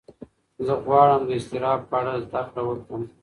زه غواړم د اضطراب په اړه زده کړه وکړم.